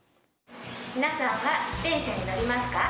皆さんは自転車に乗りますか？